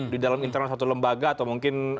di dalam internal satu lembaga atau mungkin